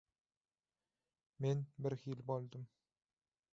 Men birhili boldum.